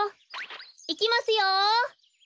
いきますよ。